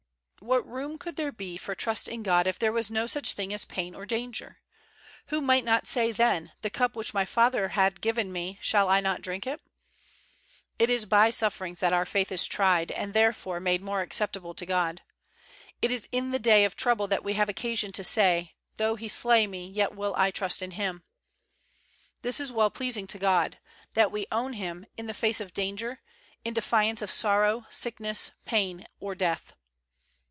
What room could there be for trust in God if there was no such thing as pain or danger ? Who might not say then, '' The cup which my Father had given me, shall I not drink it?" It is by sufferings that our faith is tried, and, therefore, made more acceptable to God. It is in the day of trouble that we have occasion to say, "Tho He slay me, yet will I trust in Him. '' This is well pleasing to God: that we own Him in the face of danger, in defiance of sorrow, sickness, pain, or death.